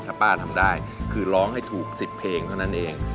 ถ้าป้าทำได้คือร้องให้ถูก๑๐เพลงเท่านั้นเอง